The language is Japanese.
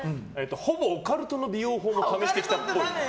ほぼオカルトの美容法も試してきたっぽい。